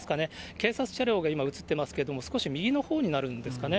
警察車両が今、映ってますけれども、少し右のほうになるんですかね。